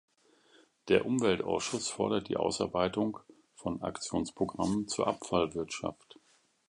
Der Umweltausschuss fordert die Ausarbeitung von Aktionsprogrammen zur Abfallwirtschaft.